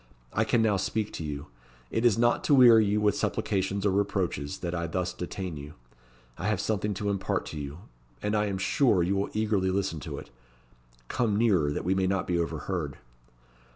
"I can now speak to you. It is not to weary you with supplications or reproaches that I thus detain you. I have something to impart to you, and I am sure you will eagerly listen to it. Come nearer, that we may not be overheard."